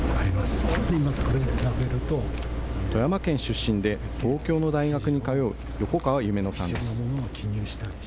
富山県出身で、東京の大学に通う横川結女乃さんです。